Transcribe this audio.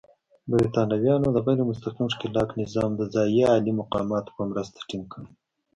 برېټانویانو د غیر مستقیم ښکېلاک نظام د ځايي عالي مقامانو په مرسته ټینګ کړ.